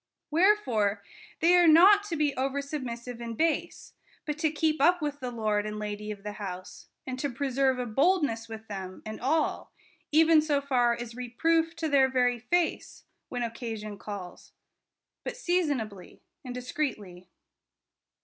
Wherefore they are not to be over submissive and base, but to keep up with the lord and lady of the house, and to preserve a boldness with them and all, even so far as reproof to their very face, when occasion calls ; but seasonably, and discreetly.